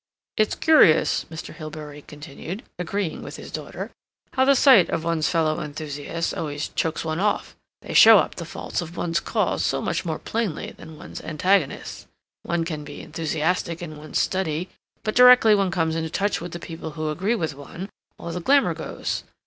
"It's curious," Mr. Hilbery continued, agreeing with his daughter, "how the sight of one's fellow enthusiasts always chokes one off. They show up the faults of one's cause so much more plainly than one's antagonists. One can be enthusiastic in one's study, but directly one comes into touch with the people who agree with one, all the glamor goes.